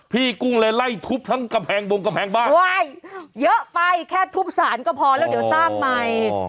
กุ้งเลยไล่ทุบทั้งกำแพงบงกำแพงบ้านเยอะไปแค่ทุบสารก็พอแล้วเดี๋ยวสร้างใหม่